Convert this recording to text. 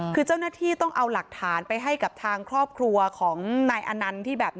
คือเจ้าหน้าที่ต้องเอาหลักฐานไปให้กับทางครอบครัวของนายอนันต์ที่แบบ